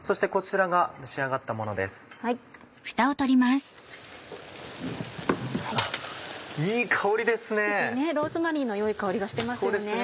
特にローズマリーの良い香りがしてますよね。